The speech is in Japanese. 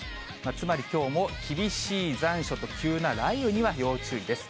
つまり、きょうも厳しい残暑と急な雷雨には要注意です。